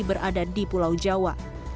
berada di pulau jawa